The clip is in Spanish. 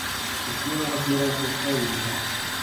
Requiere una tierra suelta y ligera.